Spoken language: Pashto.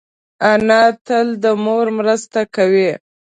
انا تل د مور مرسته کوي